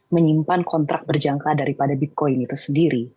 menyimpan kontrak berjangka daripada bitcoin itu sendiri